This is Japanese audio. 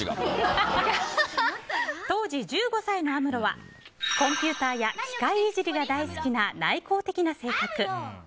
当時１５歳のアムロはコンピューターや機械いじりが大好きな内向的な性格。